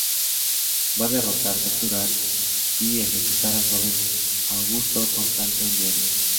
Va a derrotar, capturar y ejecutar al joven augusto Constante en Vienne.